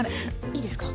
いいですか？